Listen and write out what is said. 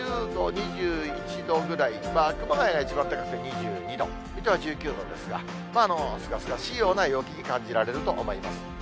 ２０度、２１度ぐらい、熊谷が一番高くて２２度、水戸は１９度ですが、すがすがしいような陽気に感じられると思います。